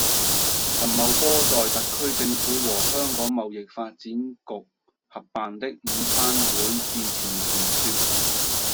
陳茂波在特區政府和香港貿易發展局合辦的午餐會致辭時說